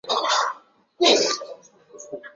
山噪鹛。